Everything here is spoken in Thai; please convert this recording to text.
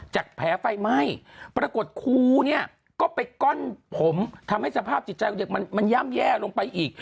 จากแผลไฟไหม้ปรากฏครูเนี่ยก็ไปก้อนผมทำให้สภาพจิตใจของเด็กมันย่ำแย่ลงไปอีก